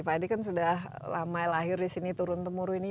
pak edi kan sudah lama lahir di sini turun temuru ini